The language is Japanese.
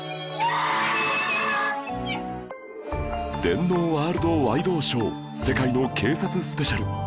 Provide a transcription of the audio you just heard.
『電脳ワールドワイ動ショー』世界の警察スペシャル